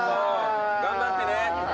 頑張ってね。